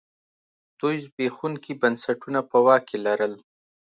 دوی زبېښونکي بنسټونه په واک کې لرل.